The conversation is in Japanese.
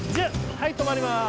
はいとまります。